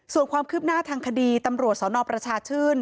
ส่วนความคืบหน้าทางคดีตำรวจสนประชาชื่น